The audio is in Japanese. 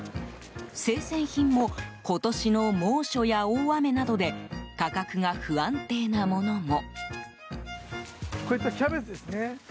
生鮮品も今年の猛暑や大雨などで価格が不安定なものも。